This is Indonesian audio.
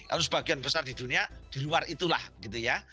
kalau sebagian besar di dunia diluar itulah gitu ya